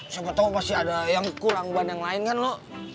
sama sama pasti ada yang kurang ban yang lain kan lo